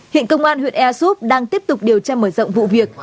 hiện công an huyện ea súp đang tiếp tục điều tra mở rộng vụ việc